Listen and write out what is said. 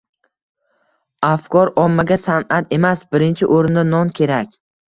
Afkor ommaga san’at emas, birinchi o‘rinda non kerak.